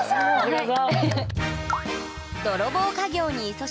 どうぞ。